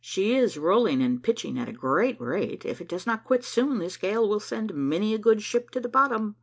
"She is rolling and pitching at a great rate. If it does not quit soon, this gale will send many a good ship to the bottom.